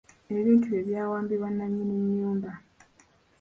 Ebintu bye byawambibwa nnannyini nnyumba.